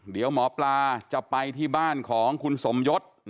เดี๋ยวหมอปลาจะไปที่บ้านของคุณสมยศ